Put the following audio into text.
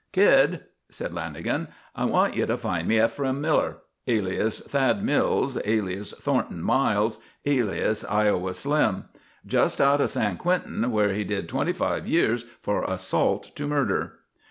"Kid," said Lanagan, "I want you to find me Ephraim Miller, alias Thad Mills, alias Thornton Miles, alias Iowa Slim. Just out of San Quentin where he did twenty five years for assault to murder."